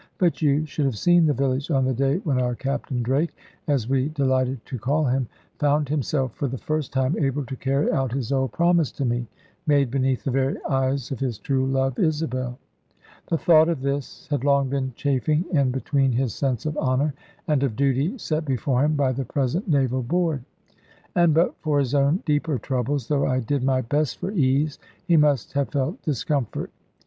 But you should have seen the village on the day when our Captain Drake as we delighted to call him found himself for the first time able to carry out his old promise to me, made beneath the very eyes of his true love, Isabel. The thought of this had long been chafing in between his sense of honour, and of duty set before him by the present Naval Board. And but for his own deeper troubles, though I did my best for ease, he must have felt discomfort.